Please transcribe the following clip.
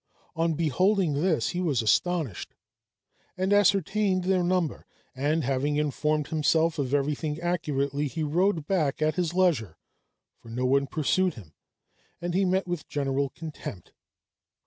On beholding this he was astonished, and ascertained their number, and having informed himself of everything accurately, he rode back at his leisure, for no one pursued him and he met with general contempt.